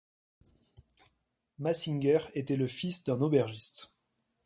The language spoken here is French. Massinger était le fils d'un aubergiste.